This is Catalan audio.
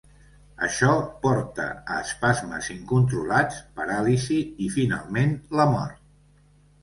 Això porta a espasmes incontrolats, paràlisi, i finalment la mort.